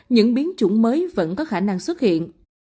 những biến chủng mới vẫn có khả năng xuất hiện